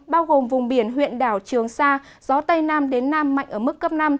bao gồm vùng biển huyện đảo trường sa gió tây nam đến nam mạnh ở mức cấp năm